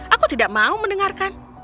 aku tidak mau mendengarkan